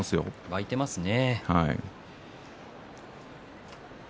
沸いていますよね。